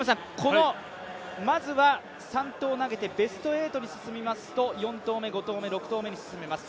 まずは３投、投げてベスト８に進みますと４投目、５投目、６投目に進めます。